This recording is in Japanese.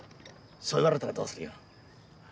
そう言われたらどうするよ？